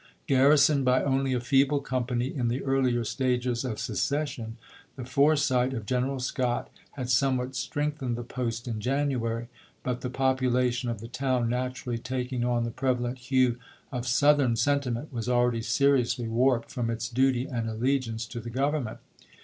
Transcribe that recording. Garrisoned by only a feeble company in the earlier stages of secession, the foresight of General Scott had somewhat FOET PICKENS EEENFOECED 15 strengthened the post in January ; but the popula tion of the town, naturally taking on the prevalent hue of Southern sentiment, was already seriously warped from its duty and allegiance to the Grovern ment.